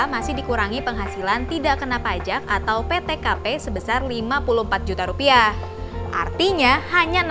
masih dikurangi penghasilan tidak kena pajak atau ptkp sebesar lima puluh empat juta rupiah artinya hanya